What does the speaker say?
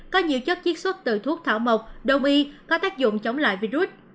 có nhiều chất chiết xuất từ thuốc thảo mộc đông y có tác dụng chống lại virus